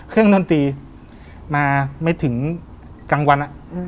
เครื่องดนตรีมาไม่ถึงกลางวัน